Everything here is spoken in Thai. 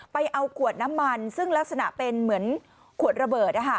ไปเอาขวดน้ำมันซึ่งลักษณะเป็นเหมือนขวดระเบิด